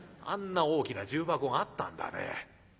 あんな大きな重箱があったんだね。